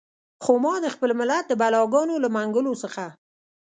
خو ما د خپل ملت د بلاګانو له منګولو څخه.